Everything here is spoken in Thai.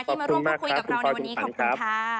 ขอบคุณมากครับคุณพ่อคุณฟันขอบคุณค่ะ